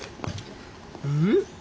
うん？